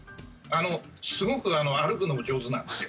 すごく歩くのも上手なんですよ。